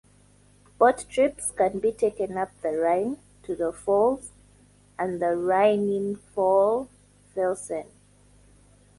Boat trips can be taken up the Rhine to the falls and the Rheinfallfelsen.